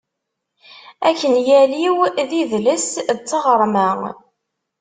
Akenyal-iw d idles, d taɣerma.